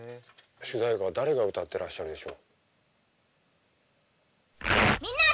主題歌誰が歌ってらっしゃるでしょう？